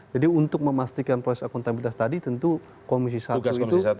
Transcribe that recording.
jadi untuk memastikan proses akuntabilitas tadi tentu komisi satu itu